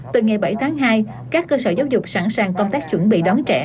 từ ngày bảy tháng hai các cơ sở giáo dục sẵn sàng công tác chuẩn bị đón trẻ